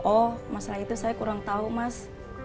oh masalah itu saya kurang tahu mas